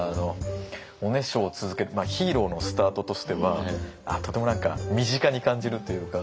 おねしょを続けるヒーローのスタートとしてはとても身近に感じるというか。